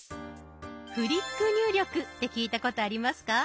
「フリック入力」って聞いたことありますか？